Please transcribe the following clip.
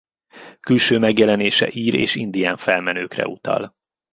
Külső megjelenése ír és indián felmenőkre utal.